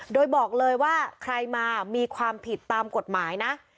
โดยบอกเลยว่าใครมามีความผิดตามกฎหมายนะ